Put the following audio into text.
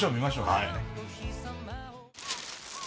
はい。